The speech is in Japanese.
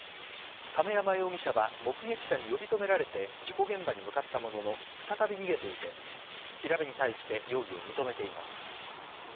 亀山容疑者は目撃者に呼び止められて事故現場に向かったものの再び逃げていて調べに対して容疑を認めています。